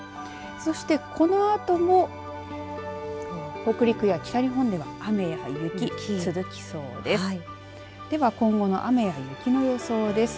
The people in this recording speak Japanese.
そして、このあとも北陸や北日本では雨や雪続きそうです。